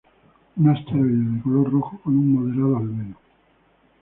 Un asteroide de color rojo, con un moderado albedo.